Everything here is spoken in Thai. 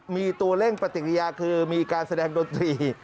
มีตัวเร่งปฏิกิริยาคือมีการแสดงดนตรี